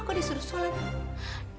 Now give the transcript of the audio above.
bapak disuruh sholat